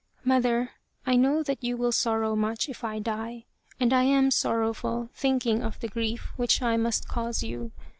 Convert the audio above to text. Mother, I know that you will sorrow much if I die, and I am sorrowful, thinking of the grief which I must cause you.